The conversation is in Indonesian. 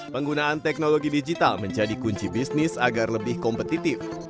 penggunaan teknologi digital menjadi kunci bisnis agar lebih kompetitif